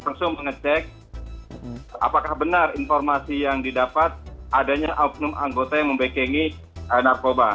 langsung mengecek apakah benar informasi yang didapat adanya oknum anggota yang membekenggi narkoba